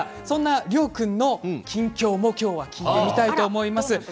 そんなりょう君の近況もきょうは聞いてみたいと思います。